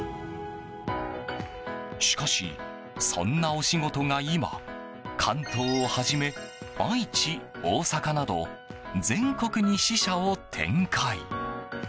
しかし、そんなお仕事が今関東をはじめ愛知、大阪など全国に支社を展開。